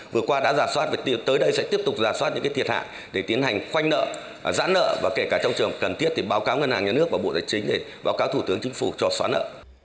vừa qua đã giả soát và tới đây sẽ tiếp tục giả soát những thiệt hại để tiến hành khoanh nợ giãn nợ và kể cả trong trường cần thiết thì báo cáo ngân hàng nhà nước và bộ tài chính để báo cáo thủ tướng chính phủ cho xóa nợ